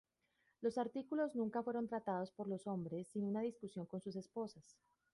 Los artículos nunca fueron tratados por los hombres sin una discusión con sus esposas.